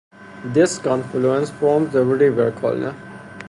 This confluence forms the River Colne.